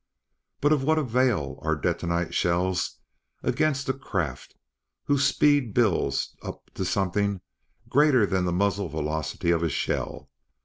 But of what avail are detonite shells against a craft whose speed builds up to something greater than the muzzle velocity of a shell?